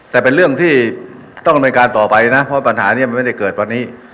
แต่เป็นเรื่องที่ต้องดำเนินการต่อไปนะเพราะปัญหานี้มันไม่ได้เกิดวันนี้